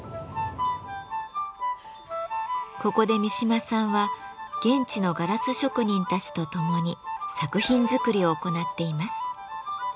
ここで三嶋さんは現地のガラス職人たちとともに作品づくりを行っています。